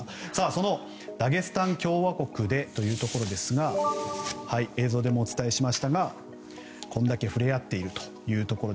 そのダゲスタン共和国でということですが映像でもお伝えしましたがこれだけ触れ合っているというところ。